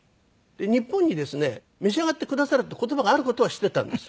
で日本にですね「召し上がってくださる？」って言葉がある事は知っていたんです。